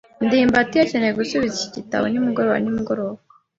ndimbati akeneye gusubiza iki gitabo nimugoroba nimugoroba.